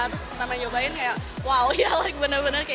terus pertama nyobain kayak wow ya bener bener